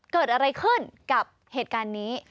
เกิดอะไรขึ้นกับเหตุการณ์นี้